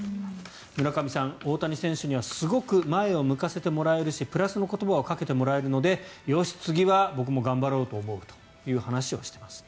村上さん、大谷選手にはすごく前を向かせてもらえるしプラスの言葉をかけてもらえるのでよし、次は僕も頑張ろうと思うという話をしています。